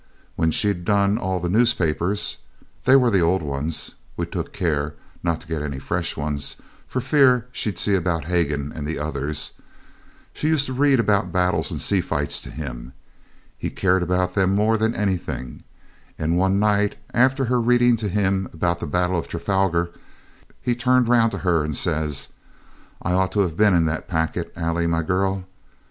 When she'd done all the newspapers they were old ones (we took care not to get any fresh ones, for fear she'd see about Hagan and the others) she used to read about battles and sea fights to him; he cared about them more than anything, and one night, after her reading to him about the battle of Trafalgar, he turned round to her and says, 'I ought to have been in that packet, Ailie, my girl.